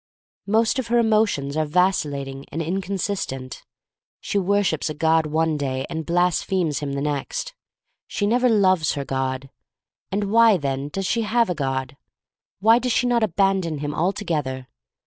Most of her emotions are vacillating and inconsistent. She worships a God one day and blasphemes him the next. She never loves her God. And why, then, does she have a God? Why does she not abandon him altogether?